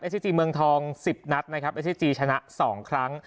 เอสซีจีเมืองทองสิบนัดนะครับเอสซีจีชนะสองครั้ง